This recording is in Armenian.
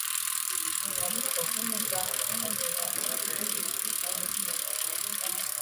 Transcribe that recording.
Հարվածից պոկվել է ձախ թևը և աջ թևի երկու շարժիչները։